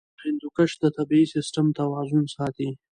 هندوکش د طبعي سیسټم توازن ساتي.